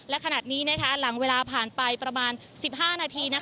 และขณะนี้หลังเวลาผ่านไปประมาณ๑๕นาที